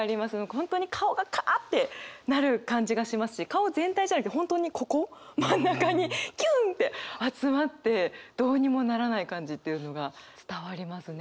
本当に顔がカアってなる感じがしますし顔全体じゃなくて本当にここ真ん中にギュンって集まってどうにもならない感じっていうのが伝わりますね。